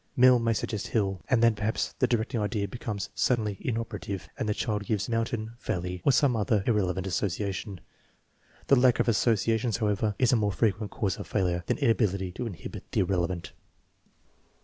Mill may suggest hill, and then perhaps the directing idea becomes suddenly inoperative and the child gives mountain, valley, or some other irrele vant association. The lack of associations, however, is a more frequent cause of failure than inability to inhibit the irrelevant.